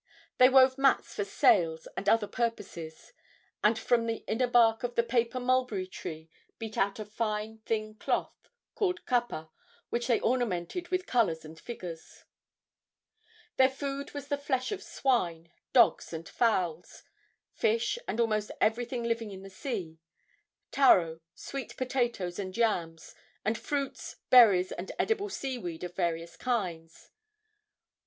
They wove mats for sails and other purposes, and from the inner bark of the paper mulberry tree beat out a fine, thin cloth called kapa, which they ornamented with colors and figures. Their food was the flesh of swine, dogs and fowls; fish, and almost everything living in the sea; taro, sweet potatoes and yams, and fruits, berries and edible sea weed of various kinds.